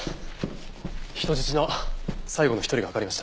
人質の最後の一人がわかりました。